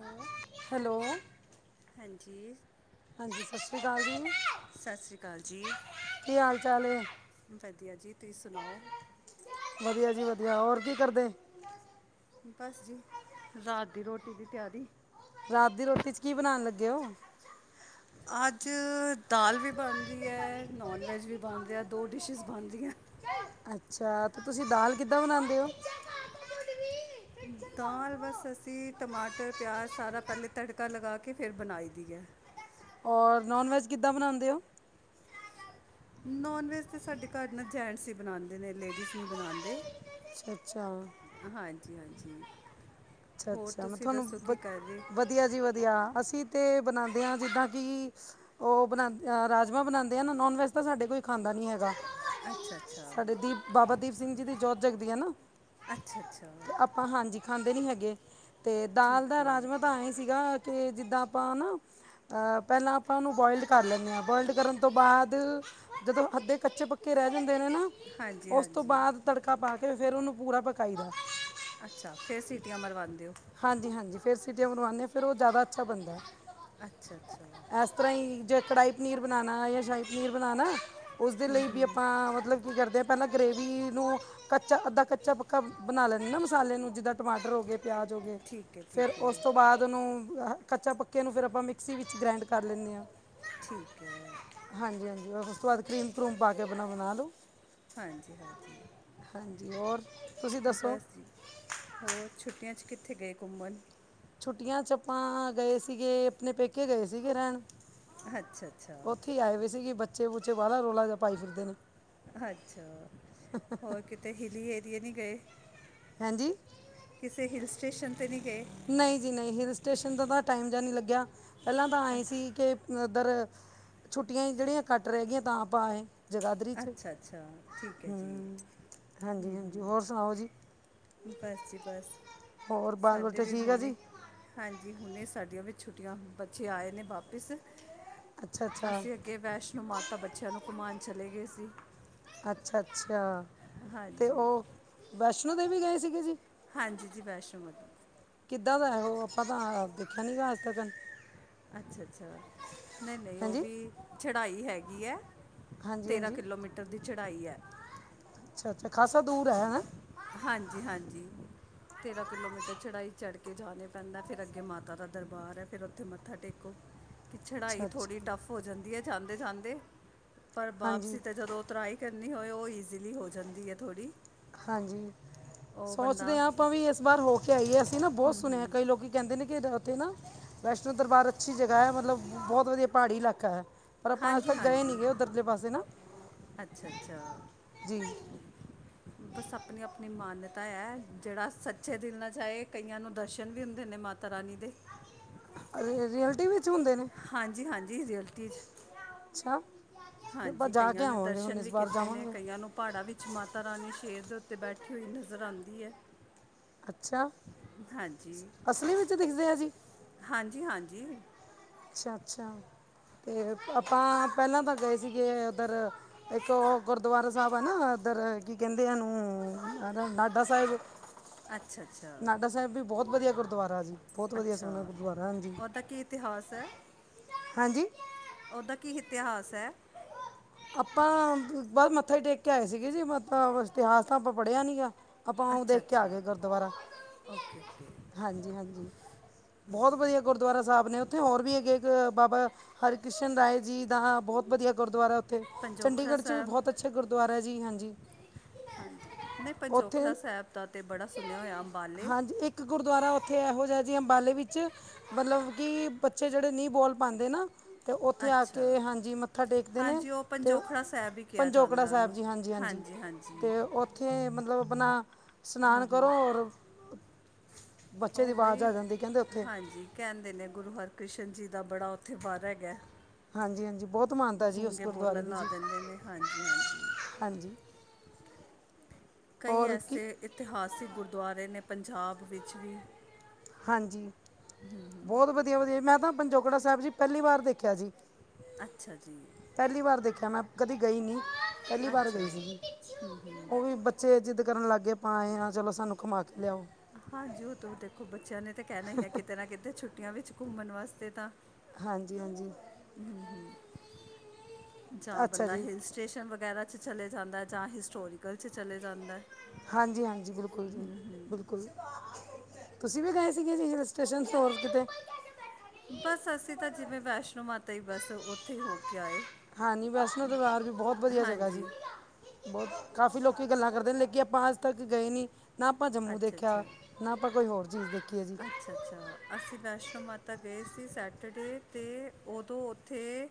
ਉਹ ਹੈਲੋ ਹਾਂਜੀ ਹਾਂਜੀ ਸਤਿ ਸ਼੍ਰੀ ਅਕਾਲ ਜੀ ਸਤਿ ਸ਼੍ਰੀ ਅਕਾਲ ਜੀ ਕੀ ਹਾਲ ਚਾਲ ਏ ਵਧੀਆ ਜੀ ਤੁਸੀਂ ਸੁਣਾਓ ਵਧੀਆ ਜੀ ਵਧੀਆ ਹੋਰ ਕੀ ਕਰਦੇ ਬਸ ਜੀ ਰਾਤ ਦੀ ਰੋਟੀ ਦੀ ਤਿਆਰੀ ਰਾਤ ਦੀ ਰੋਟੀ ਚ ਕੀ ਬਣਾਉਣ ਲੱਗੇ ਓ। [unintelligible] ਅੱਜ ਦਾਲ ਵੀ ਬਣ ਰੀ ਐ ਨੋਨ ਵੈਜ ਵੀ ਬਣ ਰਿਹਾ ਆ ਦੋ ਡਿਸ਼ਿਜ਼ ਬਣਦੀਆਂ ਅੱਛਾ ਤੇ ਤੁਸੀਂ ਦਾਲ ਕਿੱਦਾਂ ਬਣਾਉਂਦੇ ਹੋ ਦਾਲ ਬਸ ਅਸੀਂ ਟਮਾਟਰ ਪਿਆਜ਼ ਸਾਰਾ ਪਹਿਲੇ ਤੜਕਾ ਲਗਾ ਕੇ ਫਿਰ ਬਣਾਈ ਦੀ ਐ। ਔਰ ਨੋਨ ਵੈੱਜ ਕਿੱਦਾਂ ਬਣਾਉਂਦੇ ਓ। ਨੋਨ ਵੈੱਜ ਤਾਂ ਸਾਡੇ ਘਰ ਨਾ ਜੈਂਂਟਸ ਹੀ ਬਣਾਉਂਦੇ ਨੇ ਲੇਡੀਜ਼ ਨਹੀਂ ਬਣਾਉਂਦੇ ਅੱਛਾ। ਅੱਛਾ। ਹਾਂਜੀ ਹਾਂਜੀ ਅੱਛਾ ਹੋਰ ਅੱਛਾ ਮੈਂ ਤੁਸੀਂ ਤੁਹਾਨੂੰ ਦੱਸੋ ਵ ਕੀ ਕਰ ਰੇ। ਵਧੀਆ ਜੀ ਵਧੀਆ ਅਸੀਂ ਤੇ ਬਣਾਉਂਦੇ ਹਾਂ ਜਿੱਦਾਂ ਕਿ। ਉਹ ਬਣਾ ਰਾਜਮਾਂ ਬਣਾਉਂਦੇ ਆ ਨਾ ਨੋਨ ਵੈੱਜ ਤਾਂ ਸਾਡੇ ਕੋਈ ਖਾਂਦਾ ਨਹੀਂ ਹੈਗਾ ਅੱਛਾ ਅੱਛਾ ਸਾਡੇ ਦੀਪ ਬਾਬਾ ਦੀਪ ਸਿੰਘ ਜੀ ਦੀ ਜੋਤ ਜਗਦੀ ਆ ਨਾ ਅੱਛਾ ਅੱਛਾ ਅਪ। ਹਾਂਜੀ ਖਾਂਦੇ ਨੀ ਹੈਗੇ। ਤੇ ਦਾਲ ਠੀਕ ਦਾ ਹੈ ਰਾਜਮਾਂ ਤਾਂ ਐਏਂ ਹੀ ਸੀਗਾ ਕਿ ਜਿੱਦਾਂ ਆਪਾਂ ਨਾ। ਅ, ਪਹਿਲਾਂ ਆਪਾਂ ਉਹਨੂੰ ਬੋਆਇਲਡ ਕਰ ਲੈਂਦੇ ਹਾਂ ਬੋਇਲ ਕਰਨ ਤੋਂ ਬਾਅਦ। ਜਦੋਂ ਅੱਧੇ ਕੱਚੇ ਪੱਕੇ ਰਹਿ ਜਾਂਦੇ ਨੇ ਨਾ। ਹਾਂਜੀ ਉਸ ਤੋਂ ਹਾਂਜੀ ਬਾਅਦ ਤੜਕਾ ਪਾ ਕੇ ਫੇਰ ਉਹਨੂੰ ਪੂਰਾ ਪਕਾਈ ਦਾ। ਅੱਛਾ ਫਿਰ ਸੀਟੀਆਂ ਮਰਵਾਂਉਂਦੇ ਹੋ। ਹਾਂਜੀ, ਹਾਂਜੀ ਫੇਰ ਸੀਟੀਆਂ ਮਰਵਾਉਂਦੇ ਹਾਂ ਫੇਰ ਉਹ ਜ਼ਿਆਦਾ ਅੱਛਾ ਬਣਦਾ। ਅੱਛਾ। ਅੱਛਾ। ਹੈ। ਇਸ ਤਰ੍ਹਾਂ ਹੀ ਜੇ ਕੜਾਹੀ ਪਨੀਰ ਬਣਾਉਣਾ ਯਾਂ ਸ਼ਾਹੀ ਪਨੀਰ ਬਣਾਉਣਾ ਉਸਦੇ ਲਈ ਵੀ ਹੂੰ ਆਪਾਂ ਮਤਲਬ। ਕਰਦੇ ਪਹਿਲਾਂ ਗ੍ਰਰੇਵੀ ਨੂੰ ਕੱਚਾ ਅੱਧਾ ਕੱਚਾ ਕਬ ਬਣਾ ਲੈਂਦੇ ਨਾ ਮਸਾਲੇ ਨੂੰ ਜਿੱਦਾਂ ਟਮਾਟਰ ਹੋ ਗਏ ਪਿਆਜ ਹੋ ਗਏ ਠੀਕ ਹੈ ਫੇਰ ਠੀਕ ਉਸ ਹੈ ਤੋਂ ਬਾਅਦ। ਬਾਦ ਨੂੰ ਕੱਚਾ ਪੱਕੇ ਨੂੰ ਫਿਰ ਆਪਾਂ ਮਿਕਸੀ ਵਿੱਚ ਗ੍ਰੈਂਡ ਕਰ ਲੈਂਨੇ ਹਾਂ। ਠੀਕ ਹੈ। ਹਾਂਜੀ, ਹਾਂਜੀ ਉਸ ਤੋਂ ਬਾਅਦ ਕਰੀਮ ਕਰੂਮ ਪਾ ਕੇ ਆਪਣਾ ਬਣਾ ਲਓ। ਹਾਂਜੀ, ਹਾਂਜੀ, ਹਾਂਜੀ ਔਰ ਤੁਸੀਂ ਦੱਸੋ ਬਸ ਜੀ। ਹੋਰ ਛੁੱਟੀਆਂ 'ਚ ਕਿੱਥੇ ਗਏ ਘੁੰਮਣ? ਛੁੱਟੀਆਂ ਚ ਆਪਾਂ ਗਏ ਸੀਗੇ ਆਪਣੇ ਪੇਕੇ ਗਏ ਸੀਗੇ ਰਹਿਣ। ਅੱਛਾ ਅੱਛਾ ਉੱਥੇ ਆਏ ਹੋਏ ਸੀਗੀ ਬੱਚੇ ਬੁਚੇ ਬਾਹਲਾ ਰੋਲਾ ਜੇਹਾ ਪਾਈ ਜਾਂਦੇ ਨੇ। ਅੱਛਾ, ਹੋਰ ਕਿਤੇ ਹਿੱਲੀ ਏਰੀਏ ਨਹੀਂ ਗਏ। ਹਾਂਜੀ। ਕਿਸੇ ਹਿਲ ਸਟੇਸ਼ਨ 'ਤੇ ਨਹੀਂ ਗਏ? ਨਹੀਂ ਜੀ ਨਹੀਂ ਹਿਲ ਸਟੇਸ਼ਨ ਦਾ ਤਾਂ ਟਾਈਮ ਜਿਹਾ ਨਹੀਂ ਲੱਗਿਆ। ਪਹਿਲਾਂ ਤਾਂ ਆਏ ਅੱਛ ਸੀ ਕੇ ਓਧਰ ਛੁੱਟੀਆਂ ਹੀ ਜਿਹੜੀਆਂ ਘੱਟ ਰਹਿ ਗਈਆਂ ਤਾਂ ਆਪਾਂ ਆਏ। ਜਗਾਦਰੀ 'ਚ ਅੱਛਾ ਅੱਛਾ ਠੀਕ ਹੈ ਜੀ ਹਮ ਹੂੰ ਹਾਂਜੀ-ਹਾਂਜੀ ਹੋਰ ਸੁਣਾਓ ਜੀ? ਬਸ ਜੀ ਬਸ ਹੋਰ ਬਾਲ ਸਾਡੇ ਬੱਚੇ ਵੀ ਠੀਕ ਆ ਹੁਣੇ। ਜੀ ਹਾਂਜੀ ਹੁਣੇ ਸਾਡੀਆਂ ਵੀ ਛੁੱਟੀਆਂ ਬੱਚੇ ਆਏ ਨੇ ਵਾਪਿਸ ਅੱਛਾ ਅੱਛਾ ਅਸੀਂ। ਅੱਗੇ ਵੈਸ਼ਨੋ ਮਾਤਾ ਬੱਚਿਆਂ ਨੂੰ ਘੁੰਮਾਉਣ ਚਲੇ ਗਏ ਸੀ। ਅੱਛਾ-ਅੱਛਾ ਤੇ ਹਾਂਜੀ ਉਹ ਵੈਸ਼ਨੋ ਦੇਵੀ ਗਏ ਸੀਗੇ ਜੀ? ਹਾਂਜੀ ਜੀ ਵੈਸ਼ਨੋ ਮਾਤਾ। ਕਿੱਦਾਂ ਦਾ ਉਹ ਆਪਾਂ ਤਾਂ ਦੇਖਿਆ ਆਪ ਨਹੀਂ ਗਾ ਅੱਜ ਤੱਕ। ਅੱਛਾ ਅੱਛਾ ਨਹੀਂ ਨਹੀਂ ਉਹ ਹਾਂਜੀ ਵੀ ਚੜਾਈ ਹੈਗੀ ਹੈ। ਹਾਂਜੀ ਤੇਰ੍ਹਾਂ ਹਾਂਜੀ ਕਿਲੋਮੀਟਰ ਦੀ ਚੜ੍ਹਾਈ ਹੈ। ਅੱਛਾ ਅੱਛਾ ਖਾਸਾ ਦੂਰ ਹੈ ਹਾ। ਹਾਂਜੀ, ਹਾਂਜੀ। ਤੇਰਾਂ ਕਿਲੋਮੀਟਰ ਚੜ੍ਹਾਈ ਚੜ੍ਹ ਕੇ ਜਾਣੇ ਪੈਂਦਾ ਫਿਰ ਅੱਗੇ ਮਾਤਾ ਦਾ ਦਰਬਾਰ ਹੈ ਫਿਰ ਉੱਥੇ ਮੱਥਾ ਟੇਕੋ। ਹ। ਚੜਾਈ ਥੋੜ੍ਹੀ ਟੱਫ ਹੋ ਜਾਂਦੀ ਹੈ ਜਾਂਦੇ-ਜਾਂਦੇ ਪਰ ਹਾਂਜੀ ਵਾਪਸੀ ਤੇ ਜਦੋਂ। ਉਤਰਾਈ ਕਰਨੀ ਹੋਵੇ ਉਹ ਈਜ਼ੀਲੀ ਹੋ ਜਾਂਦੀ ਹੈ ਥੋੜ੍ਹੀ। ਹਾਂਜੀ ਸੋਚਦੇ ਹਾਂ ਆਪਾਂ ਵੀ ਇਸ ਵਾਰ ਹੋ ਕੇ ਆਈਏ ਅਸੀਂ ਨਾ ਬਹੁਤ ਹੂੰ ਹੂੰ। ਸੁਣਿਆ ਕਈ ਲੋਕੀ। ਕਹਿੰਦੇ ਨੇ ਕਿ ਉੱਥੇ ਨਾ ਵੈਸ਼ਨੋ ਦਰਬਾਰ ਅੱਛੀ ਜਗ੍ਹਾ ਹੈ ਮਤਲਬ ਬਹੁਤ ਵਧੀਆ ਪਹਾੜੀ ਇਲਾਕਾ ਹੈ। ਪਰ ਆਪਾਂ ਅੱਜ ਹਾਂਜੀ ਤੱਕ ਗਏ ਨੀ ਹਾਂਜੀ ਗਏ ਉਧਰਲੇ ਪਾਸੇ ਨਾ ਅੱਛਾ ਅੱਛਾ ਜੀ। ਬਸ ਆਪਣੀ ਆਪਣੀ ਮਾਨਤਾ ਹੈ ਜਿਹੜਾ ਸੱਚੇ ਦਿਲ ਨਾ ਜਾਏ ਕਈਆਂ ਨੂੰ ਦਰਸ਼ਨ ਵੀ ਹੁੰਦੇ ਨੇ ਮਾਤਾ। ਮਾਤਾ ਰਾਨੀ ਦੇ। ਰਿਐਲਟੀ ਵਿੱਚ ਹੁੰਦੇ ਨੇ? ਹਾਂਜੀ, ਹਾਂਜੀ ਰਿਐਲਟੀ ਵਿੱਚ। ਅੱਛਾ। ਆਪਾਂ ਹਾਂਜੀ, ਜਾ ਕੇ ਕਈਆਂ ਨੇ ਆਵਾਂਗੇ ਹੁਣ ਦਰਸ਼ਨ ਇਸ ਵੀ ਵਾਰ ਕੀਤੇ ਨੇ ਜਾਵਾਂਗੇ ਕਈਆਂ ਨੂੰ। ਪਹਾੜਾਂ ਵਿੱਚ ਮਾਤਾ ਰਾਣੀ ਸ਼ੇਰ ਦੇ ਉੱਤੇ ਬੈਠੀ ਹੋਈ ਨਜ਼ਰ ਆਉਂਦੀ ਏ। ਅੱਛਾ ਹਾਂਜੀ, ਅਸਲੀ ਵਿੱਚ ਦਿਖਦੇ ਆ ਜੀ ਹਾਂਜੀ ਹਾਂਜੀ। ਅੱਛਾ, ਅੱਛਾ ਤੇ ਆਪਾਂ ਪਹਿਲਾਂ ਤਾਂ ਗਏ ਸੀਗੇ ਉੱਧਰ। ਇੱਕ ਔ ਗੁਰਦੁਆਰਾ ਸਾਬ ਆ ਨਾ ਇਧਰ ਕੀ ਕੈਂਦੇ ਏਨੂੰ ਨਾਡਾ ਸਾਬ ਅੱਛਾ-ਅੱਛਾ। ਨਾਡਾ ਸਾਹਿਬ ਵੀ ਬਹੁਤ ਵਧੀਆ ਗੁਰਦੁਆਰਾ ਜੀ। ਬਹੁਤ ਵਧੀਆ ਅੱਛਾ, ਸੋਹਣਾ ਗੁਰਦੁਆਰਾ ਹਾਂਜੀ ਓਦਾ ਕੀ ਇਤਿਹਾਸ ਐ? ਹਾਂਜੀ ਓਦਾ ਕੀ ਇਤਿਹਾਸ ਐ? ਆਪਾਂ ਬ ਬਸ ਮੱਥਾ ਟੇਕ ਕੇ ਆਏ ਸੀਗੇ ਜੀ ਮ ਇਤਿਹਾਸ ਤਾਂ ਆਪਾਂ ਪੜ੍ਹਿਆ ਨੀ ਗਾ। ਆਪਾਂ ਉਂ ਅੱਛਾ ਦੇਖ ਕੇ ਆ ਅੱਛਾ ਗਏ ਗੁਰਦੁਆਰਾ‌। ਓਕੇ ਓਕੇ ਹਮ, ਹਾਂਜੀ-ਹਾਂਜੀ। ਬਹੁਤ ਹਮ। ਵਧੀਆ ਗੁਰਦੁਆਰਾ ਸਾਹਿਬ ਨੇ ਓਥੇ ਹੋਰ ਵੀ ਹੇਗੇ ਇੱਕ ਬਾਬਾ ਹਰਿਕ੍ਰਿਸ਼ਨ ਰਾਏ ਜੀ ਦਾ ਬਹੁਤ ਵਧੀਆ ਗੁਰਦੁਆਰਾ। ਪੰਜੋਖੜਾ ਚੰਡੀਗੜ੍ਹ ਚ ਵੀ ਸਾਹਿਬ ਬਹੁਤ ਅੱਛੇ ਗੁਰਦੁਆਰਾ ਜੀ ਹਾਂਜੀ। ਹਾਂਜੀ, ਨਈ ਉੱਥੇ ਪੰਜੋਖੜਾ ਸਾਹਿਬ ਦਾ ਤੇ ਬੜਾ ਸੁਣਿਆ ਹੋਇਆ ਅੰਬਾਲੇ। ਹਾਂਜੀ ਇੱਕ ਗੁਰਦੁਆਰਾ ਉੱਥੇ ਐਹੋ ਜਾ ਜੀ ਅੰਬਾਲੇ ਵਿੱਚ ਮਲਬ ਕਿ ਬੱਚੇ ਜੇੜੇ ਨਈ ਬੋਲ ਪਾਦੇ ਨਾ ਤੇ ਉੱਥੇ ਆ ਕੇ ਅੱਛਾ ਹਾਂਜੀ ਮੱਥਾ ਟੇਕਦੇ ਨੇ। ਹਾਂਜੀ ਉਹ ਤੇ ਓ, ਪੰਜੋਖੜਾ ਸਾਹਿਬ ਹੀ ਕਿਹਾ ਪੰਜੋਕੜਾ ਜਾਂਦਾ ਸਾਹਿਬ ਉਹਨੂੰ ਜੀ ਹਾਂਜੀ-ਹਾਂਜੀ ਹਾਂਜੀ ਹਾਂਜੀ ਤੇ ਉੱਥੇ ਮਤਲਬ ਆਪਨਾ, ਹੂੰ ਸਨਾਨ ਹੂੰ ਕਰੋ ਹੋਰ ਬੱਚੇ ਦੀ ਵਾਜ਼ ਆ ਜਾਂਦੀ ਕੈਂਦੇ ਓਥੇ। ਕੈਦੇ ਨੇ ਗੁਰੂ ਹਰਿਕ੍ਰਿਸ਼ਨ ਜੀ ਦਾ ਬੜਾ ਉੱਥੇ ਵਰ ਹੈਗਾ ਹਾਂਜੀ ਹਾਂਜੀ ਬਹੁਤ ਮਾਨਤਾ ਜੀ ਉਸ ਗੂੰਗੇ ਗੁਰਦੁਆਰੇ ਬੋਲਣ ਦੀ ਲਾ ਜੀ ਦਿੰਦੇ ਨੇ ਹਾਂਜੀ-ਹਾਂਜੀ। ਹਾਂਜੀ। ਕਈ ਔਰ ਕੀ ਐਸੇ ਇਤਿਹਾਸਿਕ ਗੁਰਦੁਆਰੇ ਨੇ ਪੰਜਾਬ ਵਿੱਚ ਵੀ ਹਾਂਜੀ, ਬਹੁਤ ਵਧੀਆ ਵਧੀਆ ਮੈਂ ਤਾਂ ਪੰਜੋਕੜਾ ਸਾਹਿਬ ਜੀ ਪੈਲੀ ਵਾਰ ਦੇਖਿਆ ਸੀ। ਅੱਛਾ ਜੀ। ਪੈਲੀ ਵਾਰ ਦੇਖਿਆ ਮੈਂ ਕਦੀ ਗਈ ਨੀ, ਪੈਲੀ ਵਾਰ ਅੱਛਾ ਗਈ ਸੀ, ਹੂੰ ਹੂੰ ਓ ਵੀ ਬ ਚੇ ਜਿੱਦ ਕਰਨ ਲੱਗ ਗਏ ਆਪਾਂ ਆਏ ਆਂ ਚਲੋ ਸਾਨੂੰ ਘੁਮਾ ਕੇ ਲਿਆਓ। ਹਾਂਜੀ ਓ ਤੋ ਦੇਖੋ ਬੱਚਿਆਂ ਨੇ ਤਾਂ ਕੈਂਣਾ ਈ ਐ ਕਿਤੇ ਨਾ ਕਿਤੇ ਛੁੱਟੀਆਂ ਵਿੱਚ ਘੁੰਮਣ ਵਾਸਤੇ ਤਾਂ। ਹਾਂਜੀ-ਹਾਂਜੀ। [inaudible] ਜਾਂ ਅੱਛਾ ਬੰਦਾ ਜੀ ਹਿਲ ਸਟੇਸ਼ਨ ਵਗੈਰਾ ਚ ਚਲੇ ਜਾਂਦੈ ਜਾਂ ਹਿਸਟੋਰੀਕਲ ਚ ਚਲੇ ਜਾਂਦੈ। ਹਾਂਜੀ-ਹਾਂਜੀ ਬਿਲਕੁਲ ਜੀ-ਬਿਲਕੁਲ ਜੀ। ਤੁਸੀਂ ਵੀ ਗਏ ਸੀਗੇ ਹਿਲ ਸਟੇਸ਼ਨ ਹੋਰ ਕਿਤੇ? ਬਸ ਅਸੀਂ ਤਾਂ ਜਿਵੇਂ ਵੈਸ਼ਨੋ ਮਾਤਾ ਈ ਬੱਸ ਓਥੇ ਹੀ ਹੋ ਕੇ ਆਏ। ਹਾਂ ਵੈਸ਼ਨੋ ਦੁਆਰ ਵੀ ਬੌਤ ਵਧੀਆ ਜਗਾ ਜੀ। ਹਾਂਜੀ ਬ ਕਾਫੀ ਲੋਕੀ ਗੱਲਾਂ ਕਰਦੇ ਨੇ ਲੇਕਿ ਆਪਾਂ ਅੱਜ ਤੱਕ ਗਏ ਨਈ। ਨਾ ਆਪਾਂ ਜੰਮੂ ਅੱਛਾ ਅੱਛਾ ਦੇਖਿਆ, ਨਾ ਆਪਾਂ ਕੋਈ ਹੋਰ ਚੀਜ਼ ਦੇਖੀ ਏ ਜੀ। ਅੱਛਾ-ਅੱਛਾ, ਅਸੀਂ ਵੈਸ਼ਨੋ ਮਾਤਾ ਗਏ ਸੀ ਸੈਟਰਡੇ ਤੇ ਉਦੋਂ ਓਥੇ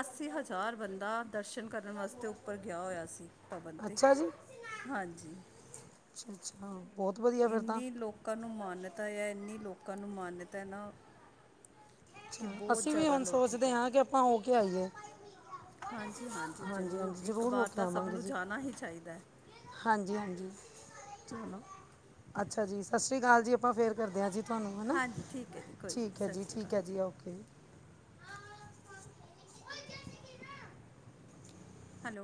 ਅੱਸੀ ਹਜ਼ਾਰ ਬੰਦਾ ਦਰਸ਼ਨ ਕਰ ਨ ਵਾਸਤੇ ਉੱਪਰ ਗਿਆ ਹੋਇਆ ਸੀ ਭਵਨ ਤੇ, ਅੱਛਾ ਹਾਂਜੀ। ਅੱਛਾ-ਅੱਛਾ, ਬੌਤ ਵਧੀਆ ਫੇਰ ਤਾਂ। ਇੰਨੀ ਲੋਕਾਂ ਨੂੰ ਮਾਨਤਾ ਐ ਏਨੀ ਲੋਕਾਂ ਨੂੰ ਮਾਨਤਾ ਨਾ ਅੱਛਾ ਕਿ ਬਹੁਤ ਅਸੀਂ ਵੀ ਜ਼ਿਆਦਾ ਹੁਣ ਲੋਕ ਸੋਚਦੇ ਆ ਕਿ ਆਪਾਂ ਹੋ ਕੇ ਆਈਏ। ਹਾਂਜੀ-ਹਾਂਜੀ ਹਾਂਜੀ ਜ਼ਰੂਰ ਹਾਂਜੀ ਇੱਕ ਵਾਰ ਤਾਂ ਸਭ ਨੂੰ ਜਾਣਾ ਈ ਚਾਈਦੈ। ਹਾਂਜੀ-ਹਾਂਜੀ। ਚਲੋ, ਅੱਛਾ ਜੀ ਸਸਰੀ ਕਾਲ ਜੀ ਆਪਾਂ ਫੇਰ ਕਰਦੇ ਹਾ ਆ ਜੀ। ਧਾਨੂੰ ਹਨਾ, ਹਾਂਜੀ ਠੀਕ ਹੈ ਜੀ ਕੋਈ ਨਹੀਂ ਠੀਕ ਐ ਸਤਿ ਜੀ ਸ਼੍ਰੀ ਠੀਕ ਐ ਅਕਾਲ ਜੀ ਓਕੇ। ਹੈਲੋ।